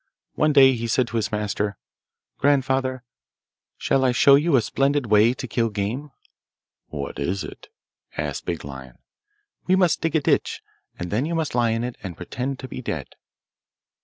One day he said to his master, 'Grandfather, shall I show you a splendid way to kill game?' 'What is it?' asked Big Lion. 'We must dig a ditch, and then you must lie in it and pretend to be dead.